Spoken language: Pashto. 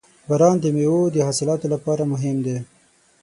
• باران د میوو د حاصلاتو لپاره مهم دی.